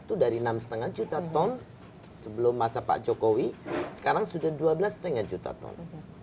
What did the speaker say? itu dari enam lima juta ton sebelum masa pak jokowi sekarang sudah dua belas lima juta ton